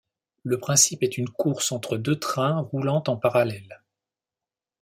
Le principe est une course entre deux trains roulant en parallèle.